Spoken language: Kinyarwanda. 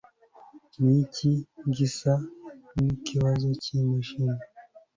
Niki gisa nikibazo cyimashini?